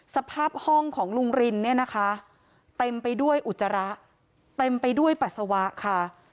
สภาพห้องของลุงรินเนี่ยนะคะเต็มไปด้วยอุจจาระเต็มไปด้วยปัสสาวะค่ะ